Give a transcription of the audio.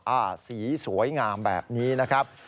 สีสวยงามแบบนี้นะครับ